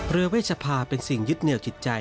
เรือเวชภาเป็นสิ่งยึดเหนือกจิตใจ